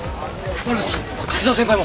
マリコさん柿沢先輩も。